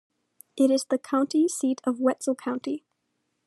It is the county seat of Wetzel County.